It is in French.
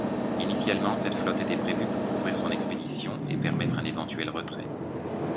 Initialement, cette flotte était prévue pour couvrir son expédition et permettre un éventuel retrait.